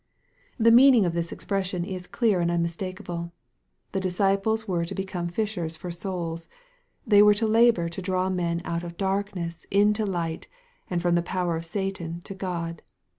The meaning of this expression is clear and unmis takeable. The disciples were to become fishers for souls They were to labor to draw men out of darkness into light, and from the power of Satan to God.